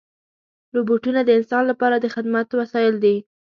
روبوټونه د انسان لپاره د خدمت وسایل دي.